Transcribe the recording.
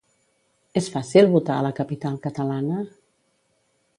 És fàcil votar a la capital catalana?